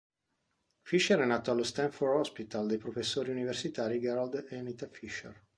Fisher è nato allo Stanford Hospital dai professori universitari Gerald e Anita Fisher.